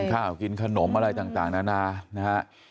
กินข้าวกินขนมอะไรต่างนั้นนะ